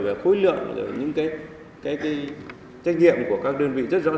và khối lượng rồi những cái trách nhiệm của các đơn vị rất rõ ràng